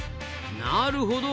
なるほど。